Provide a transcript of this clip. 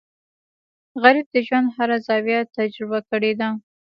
غریب د ژوند هر زاویه تجربه کړې ده